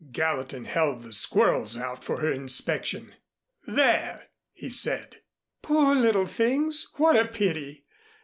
Gallatin held the squirrels out for her inspection. "There!" he said. "Poor little things, what a pity!